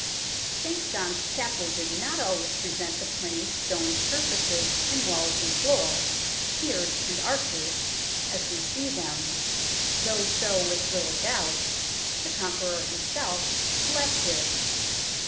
ST. JOHN'S CHAPEL 133 St. John's Chapel did not always present the plain stone surfaces in walls and floor, piers and arches, as we see them, though so, with little doubt, the Conqueror himself left it.